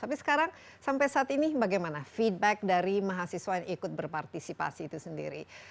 tapi sekarang sampai saat ini bagaimana feedback dari mahasiswa yang ikut berpartisipasi itu sendiri